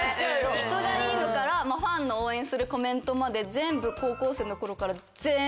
質がいいのからファンの応援するコメントまで全部高校生の頃から。